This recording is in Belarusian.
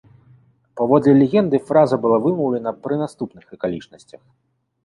Паводле легенды, фраза была вымаўлена пры наступных акалічнасцях.